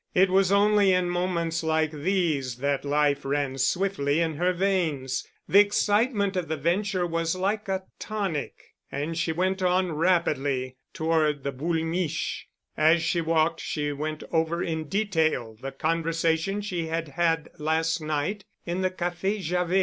It was only in moments like these that life ran swiftly in her veins. The excitement of the venture was like a tonic, and she went on rapidly toward the Boule' Miche'. As she walked she went over in detail the conversation she had had last night in the Café Javet.